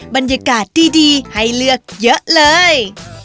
บรรยากาศดีให้เลือกเยอะเลย